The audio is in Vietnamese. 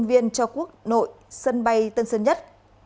nhân viên cho quốc nội sân bay tân sơn nhất